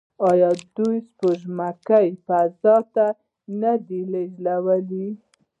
آیا دوی سپوږمکۍ فضا ته نه دي لیږلي؟